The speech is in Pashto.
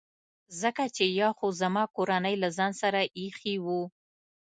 ځکه چي یا خو زما کورنۍ له ځان سره ایښي وو.